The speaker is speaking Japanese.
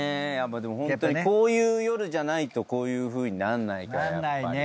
やっぱでもホントにこういう夜じゃないとこういうふうになんないから。